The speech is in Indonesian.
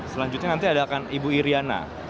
selanjutnya nanti ada akan ibu iryana